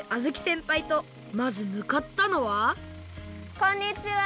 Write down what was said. せんぱいとまずむかったのはこんにちは！